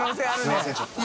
すみませんちょっと。